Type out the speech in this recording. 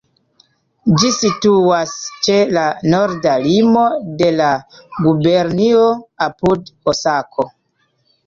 Ĝi situas ĉe la norda limo de la gubernio, apud Osako.